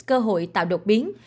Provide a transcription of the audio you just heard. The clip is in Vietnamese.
cơ hội tạo đột biến